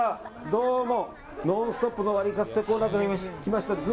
どうも、「ノンストップ！」のワリカツというコーナーからきました